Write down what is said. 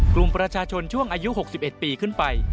กลุ่มประชาชนช่วงอายุ๖๑ปีขึ้นไป